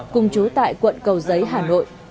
cùng chú tại quận cầu giấy hà nội